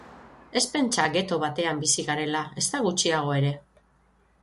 Ez pentsa ghetto batean bizi garela, ezta gutxiago ere.